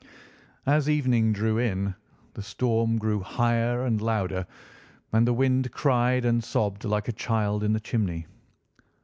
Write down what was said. As evening drew in, the storm grew higher and louder, and the wind cried and sobbed like a child in the chimney.